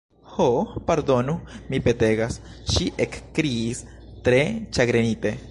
"Ho, pardonu, mi petegas," ŝi ekkriis tre ĉagrenite.